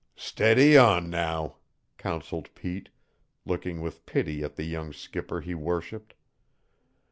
"Steady on, now!" counseled Pete, looking with pity at the young skipper he worshiped.